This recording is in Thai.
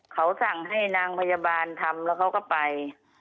เขาสั่งให้นางพยาบาลทำแล้วเขาก็ไป